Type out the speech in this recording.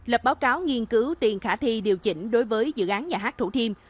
lập báo cáo nghiên cứu tiền khả thi điều chỉnh đối với dự án nhà hát thủ thiêm